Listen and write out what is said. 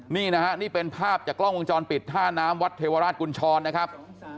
นี่นะฮะนี่เป็นภาพจากกล้องวงจรปิดท่าน้ำวัดเทวราชกุญชรนะครับ